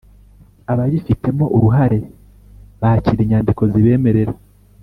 Abayifitemo uruhare bakira inyandiko zibemerera